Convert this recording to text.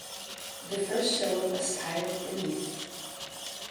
This first show was titled "Beneath".